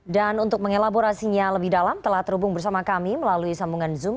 dan untuk mengelaborasinya lebih dalam telah terhubung bersama kami melalui sambungan zoom